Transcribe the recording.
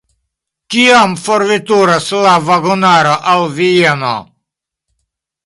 Kiam forveturas la vagonaro al Vieno?